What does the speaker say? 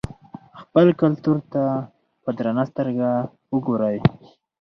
خپل کلتور ته په درنه سترګه وګورئ.